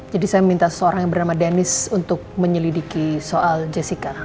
jadi saya minta seseorang yang bernama dennis untuk menyelidiki soal jessica